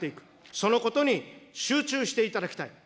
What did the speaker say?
そのことに集中していただきたい。